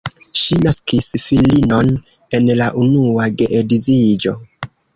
Ŝi naskis filinon en la unua geedziĝo.